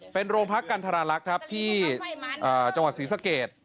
เป็นโรงพักกันธรรลักษณ์ครับที่จังหวัดศรีสะเกด